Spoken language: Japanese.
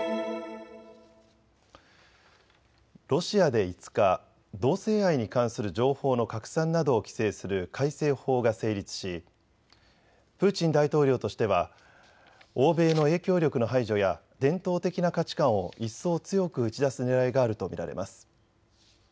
ロシアで５日、同性愛に関する情報の拡散などを規制する改正法が成立しプーチン大統領としては欧米の影響力の排除や伝統的な価値観を一層強く打ち出すねらいがあると見られます。